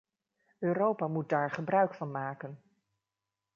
Europa moet daar gebruik van maken.